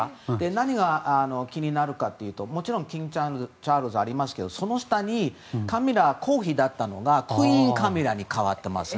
何が気になるかというともちろんキングチャールズありますけどその下にカミラ后妃だったのがクイーンカミラに変わっています。